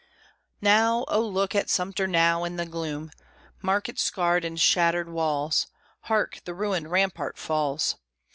Now oh, look at Sumter now, In the gloom! Mark its scarred and shattered walls. (Hark! the ruined rampart falls!)